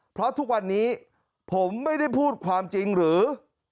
เพราะทุกวันนี้ผมไม่ได้พูดความจริงหรือ